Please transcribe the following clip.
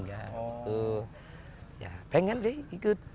ya itu ya pengen sih ikut